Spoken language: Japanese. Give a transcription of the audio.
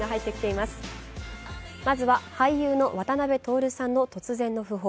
まずは俳優の渡辺徹さんの突然の訃報。